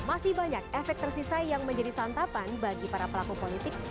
masih banyak efek tersisa yang menjadi santapan bagi para pelaku politik